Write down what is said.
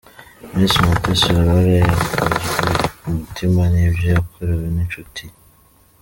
Miss Mutesi Aurore yakozwe ku mutima n'ibyo yakorewe n'inshuti ye.